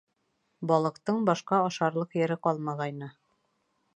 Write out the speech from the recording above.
Балыҡтың башҡа ашарлыҡ ере ҡалмағайны.